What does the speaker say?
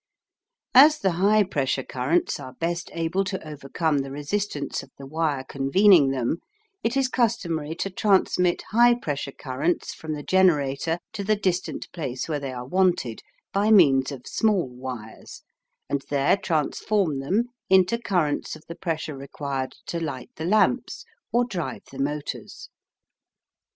As the high pressure currents are best able to overcome the resistance of the wire convening them, it is customary to transmit high pressure currents from the generator to the distant place where they are wanted by means of small wires, and there transform them into currents of the pressure required to light the lamps or drive the motors.